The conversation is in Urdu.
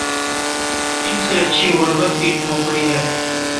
ان سے اچھی غریبِ کی جھونپڑی ہے